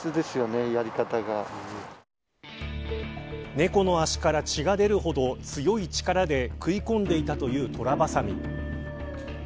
猫の足から血が出るほど強い力で食い込んでいたというトラバサミ。